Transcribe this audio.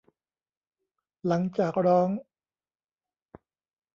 หลังจากร้อง